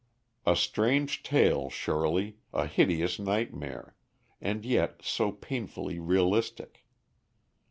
A strange tale surely, a hideous nightmare, and yet so painfully realistic.